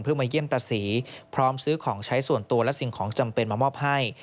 เพื่อมาเยี่ยมตาศรีพร้อมซื้อของใช้ส่วนตัวและสิ่งของจำเป็นมามอบให้